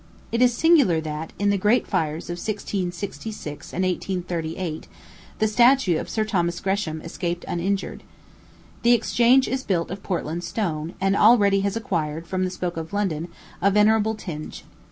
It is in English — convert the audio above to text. It is singular that, in the great fires of 1666 and 1838, the statue of Sir Thomas Gresham escaped uninjured. The Exchange is built of Portland stone, and already has acquired, from the smoke of London, a venerable tinge.